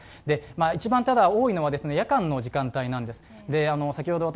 一番多いのは夜間の時間帯なんです。